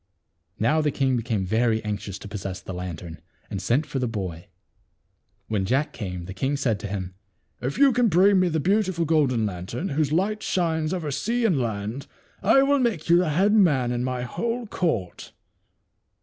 Now the king became very anxious to possess the lan tern, and sent for the boy. When J ack came, the king said to him, " If you can bring me the beautiful golden lantern, whose light shines over the sea and land, I will make you the head man in my whole court."